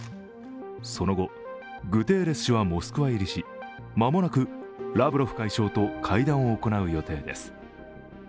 その後グテーレス氏はモスクワ入りし間もなくラブロフ外相と会談を行う予定です。